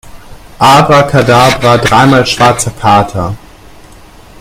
Abrakadabra, dreimal schwarzer Kater!